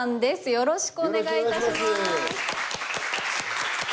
よろしくお願いします。